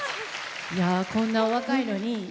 こんなお若いのに。